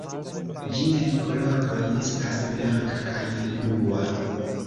Ĝiaj koloroj estas blanka kaj blua.